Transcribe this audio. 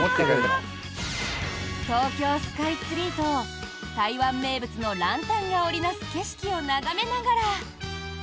東京スカイツリーと台湾名物のランタンが織りなす景色を眺めながら。